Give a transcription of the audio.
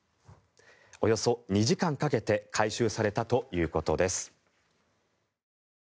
およそ２時間かけて回収されたということです。